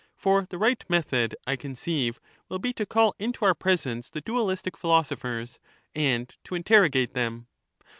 For the ""^.^^^"^ right method, I conceive, will be to call into our presence the sopWes. dualistic philosophers and to interrogate them.